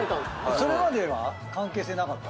それまでは関係性なかったの？